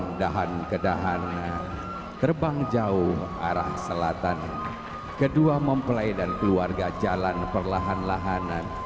lahan kedahannya terbang jauh arah selatan kedua mempelai dan keluarga jalan perlahan lahanan